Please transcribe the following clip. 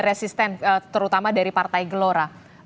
resisten terutama dari partai gelora